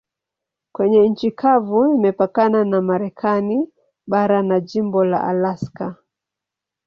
Kwenye nchi kavu imepakana na Marekani bara na jimbo la Alaska.